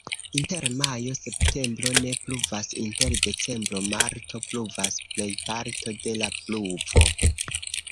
Inter majo-septembro ne pluvas, inter decembro-marto pluvas plejparto de la pluvo.